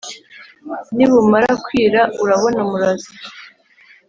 nibumara kwira urabona umuraza.